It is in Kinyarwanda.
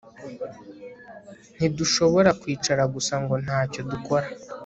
Ntidushobora kwicara gusa ngo ntacyo dukora